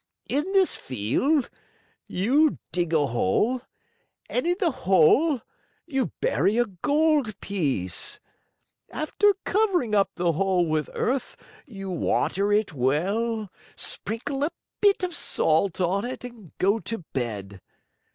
In this field you dig a hole and in the hole you bury a gold piece. After covering up the hole with earth you water it well, sprinkle a bit of salt on it, and go to bed.